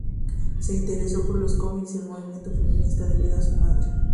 Se interesó por los cómics y el movimiento feminista debido a su madre.